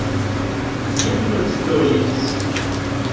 Yiwen ur ttedduɣ yid-s.